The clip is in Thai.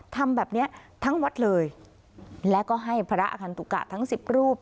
ทำแบบเนี้ยทั้งวัดเลยแล้วก็ให้พระอคันตุกะทั้งสิบรูป